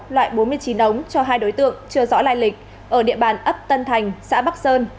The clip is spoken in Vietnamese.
loại bốn mươi chín ống cho hai đối tượng chưa rõ lai lịch ở địa bàn ấp tân thành xã bắc sơn